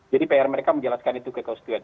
jadi pr mereka menjelaskan itu ke constituent